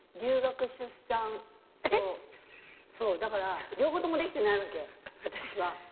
だから両方ともできてないわけ。